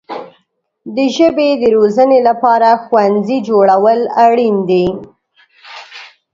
د ژبې د روزنې لپاره ښوونځي جوړول اړین دي.